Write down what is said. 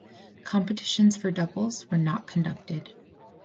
Competitions for doubles were not conducted.